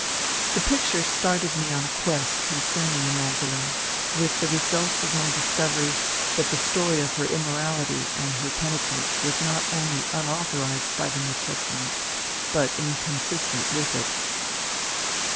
The picture started me on a quest concerning the Mag dalene, with the result of my discovery that the story of her immorality and her penitence was not only unauthorized by the New Testament, but inconsistent with it.